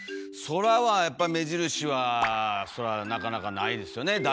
空はやっぱ目印はそらなかなかないですよね。